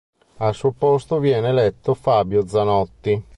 Al suo posto viene eletto Fabio Zanotti.